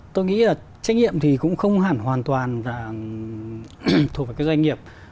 tôi nghĩ là trách nhiệm thì cũng không hẳn hoàn toàn là thuộc về cái doanh nghiệp